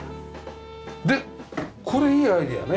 でこれいいアイデアね。